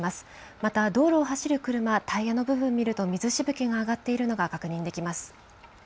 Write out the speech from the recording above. また道路を走る車、タイヤの部分見ると水しぶきが上がっているのが確認できます。